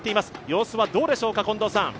様子はどうでしょうか、近藤さん。